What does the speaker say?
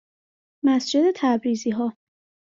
مسجد تبریزیها